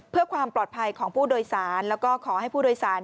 เพื่อความปลอดภัยของผู้โดยสารแล้วก็ขอให้ผู้โดยสาร